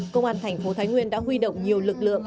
công an thành phố thái nguyên đã huy động nhiều lực lượng